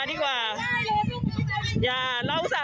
สวัสดีคุณผู้ชายสวัสดีคุณผู้ชาย